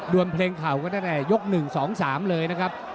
วนเพลงเข่ากันตั้งแต่ยก๑๒๓เลยนะครับ